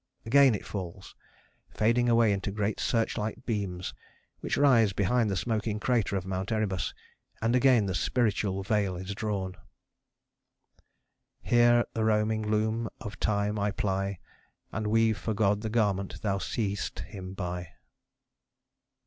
Again it falls, fading away into great searchlight beams which rise behind the smoking crater of Mount Erebus. And again the spiritual veil is drawn Here at the roaring loom of Time I ply And weave for God the garment thou seest him by.